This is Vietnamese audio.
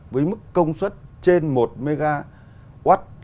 với mức công suất trên một mw